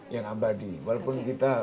yang abadi walaupun kita